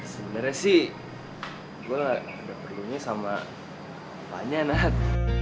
sebenernya sih gue nggak ada perlunya sama opanya nad